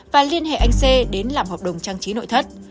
và liên hệ anh c đến làm hợp đồng trang trí nội thất